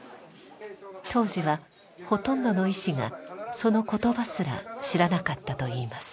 当時はほとんどの医師がその言葉すら知らなかったといいます。